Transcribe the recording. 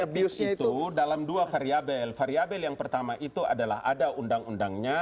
karena itu dalam dua variabel variabel yang pertama itu adalah ada undang undangnya